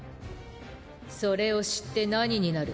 それを知って何になる？